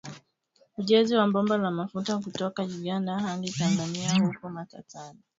Ujenzi wa bomba la mafuta kutoka Uganda hadi Tanzania upo matatani